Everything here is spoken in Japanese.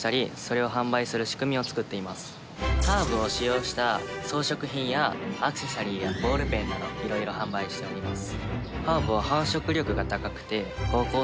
ハーブを使用した装飾品やアクセサリーやボールペンなど色々販売しております。